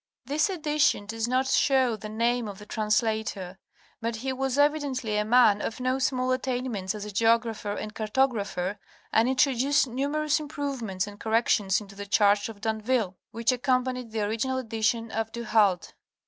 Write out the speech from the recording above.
This edition does not show the name of the translator, but he was evidently a man of no small attainments as a geographer and carto grapher, and introduced numerous improvements and corrections into the charts of D'Anville, which accompanied the original edition of Du Review of Bering's First Expedition, 1725 30. 123 » Halde.